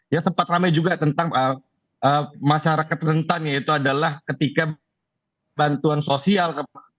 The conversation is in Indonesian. ya sempat ramai juga tentang masyarakat rentan yaitu adalah ketika bantuan sosial